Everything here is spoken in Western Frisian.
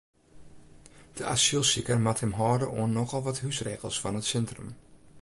De asylsiker moat him hâlde oan nochal wat húsregels fan it sintrum.